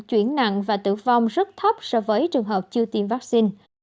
chuyển nặng và tử vong rất thấp so với trường hợp chưa tiêm vaccine